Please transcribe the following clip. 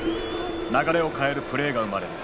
流れを変えるプレーが生まれる。